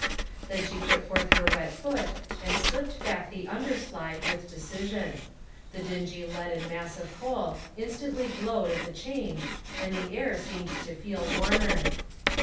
Then she put forth her wet foot and slipped back the under slide with decision ; the dingy leaden mass of coal instantly glowed at the change and the air seemed to feel warmer.